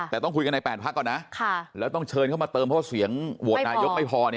แต่ต้องคุยกันใน๘พักก่อนนะแล้วต้องเชิญเข้ามาเติมเพราะว่าเสียงโหวตนายกไม่พอ